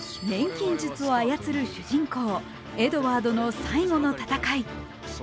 錬金術を操る主人公・エドワードの最後の戦い。